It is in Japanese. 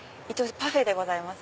パフェでございます。